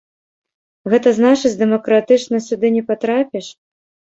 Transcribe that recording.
Гэта значыць дэмакратычна сюды не патрапіш?